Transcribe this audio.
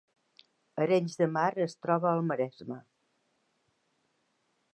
Arenys de Mar es troba al Maresme